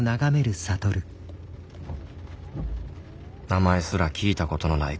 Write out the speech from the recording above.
名前すら聞いたことのない